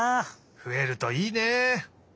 ふえるといいね。